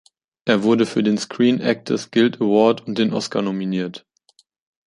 Er wurde für den Screen Actors Guild Award und den Oscar nominiert.